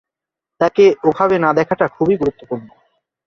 তাকে ওভাবে না দেখাটা খুবই গুরুত্বপূর্ণ।